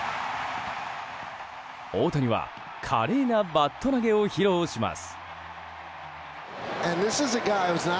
大谷は華麗なバット投げを披露します。